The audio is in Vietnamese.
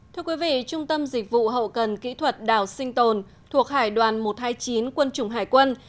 thưa quý vị trung tâm dịch vụ hậu cần kỹ thuật đảo sinh tồn thuộc hải đoàn một trăm hai mươi chín quân chủng hải quân